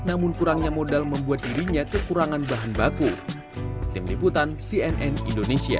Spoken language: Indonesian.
namun kurangnya modal membuat dirinya kekurangan bahan baku tim liputan cnn indonesia